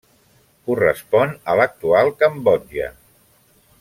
Correspon a l'actual Cambodja.